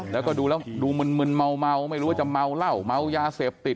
แล้วก็ดูแล้วดูมึนเมาไม่รู้ว่าจะเมาเหล้าเมายาเสพติด